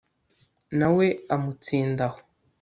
na we amutsinda aho